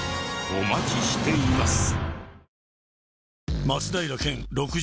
お待ちしています。